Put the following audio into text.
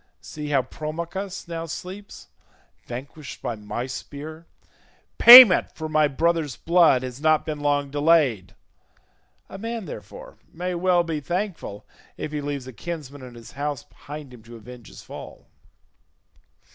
See how Promachus now sleeps, vanquished by my spear; payment for my brother's blood has not been long delayed; a man, therefore, may well be thankful if he leaves a kinsman in his house behind him to avenge his fall."